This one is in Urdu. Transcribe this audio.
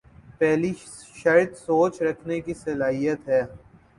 پہلی شرط سوچ رکھنے کی صلاحیت ہے۔